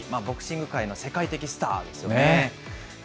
ボクシング界の世界的スターですよね。